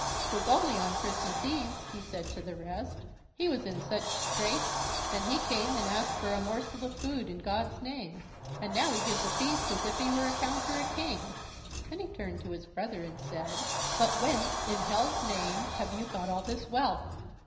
"'Twas only on Christmas eve", he said to the rest, "he was in such straits, that he came and asked for a morsel of food in God's name, and now he gives a feast as if he were count or king"; and he turned to his brother and said: "But whence, in Hell's name, have you got all this wealth?"